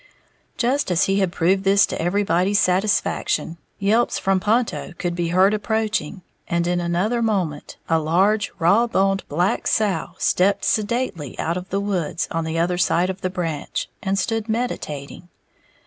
Just as he had proved this to everybody's satisfaction, yelps from Ponto could be heard approaching, and in another moment a large, raw boned black sow stepped sedately out of the woods on the other side of the branch, and stood meditating.